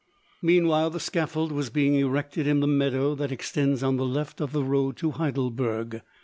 Meanwhile the scaffold was being erected in the meadow that extends on the left of the road to Heidelberg.